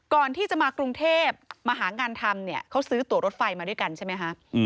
ก่อนที่จะมากรุงเทพมาหางานทำเนี่ยเขาซื้อตัวรถไฟมาด้วยกันใช่ไหมฮะ